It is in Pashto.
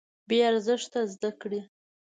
بې ارزښته زده کړې.